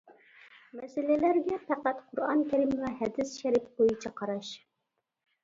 مەسىلىلەرگە پەقەت قۇرئان كەرىم ۋە ھەدىس شەرىپ بويىچە قاراش.